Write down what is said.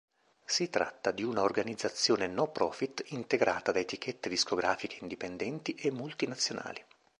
Si tratta di una organizzazione no-profit integrata da etichette discografiche indipendenti e multinazionali.